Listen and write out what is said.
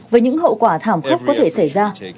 với những hậu quả thảm khốc có thể xảy ra